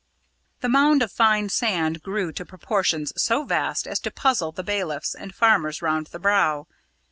The mound of fine sand grew to proportions so vast as to puzzle the bailiffs and farmers round the Brow.